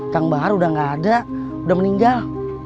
kang bahar udah gak ada udah meninggal